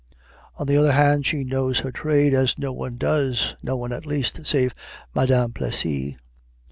On the other hand, she knows her trade as no one does no one, at least, save Madame Plessy.